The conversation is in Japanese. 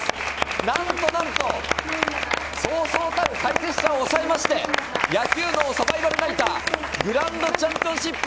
何と何とそうそうたる解説者を抑えて、野球脳サバイバルナイター、グランドチャンピオンシップ